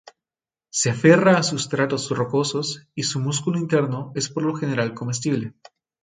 Se aferra a sustratos rocosos y su músculo interno es por lo general comestible.